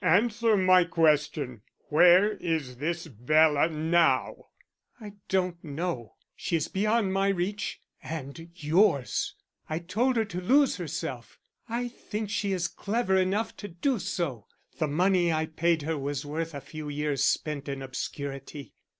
Answer my question. Where is this Bela now?" "I don't know. She is beyond my reach and yours. I told her to lose herself. I think she is clever enough to do so. The money I paid her was worth a few years spent in obscurity."